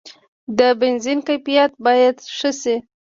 د بنزین کیفیت باید ښه شي.